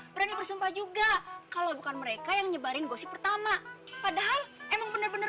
berani bersumpah juga kalau bukan mereka yang nyebarin gosip pertama padahal emang bener bener